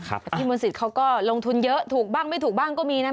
แต่พี่มนต์สิทธิ์เขาก็ลงทุนเยอะถูกบ้างไม่ถูกบ้างก็มีนะ